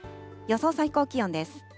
予想最高気温です。